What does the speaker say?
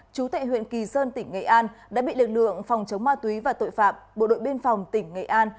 chú tại huyện kỳ sơn tỉnh nghệ an đã bị lực lượng phòng chống ma túy và tội phạm bộ đội biên phòng tỉnh nghệ an